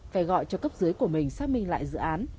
phải gọi cho cấp dưới của mình xác minh lại dự án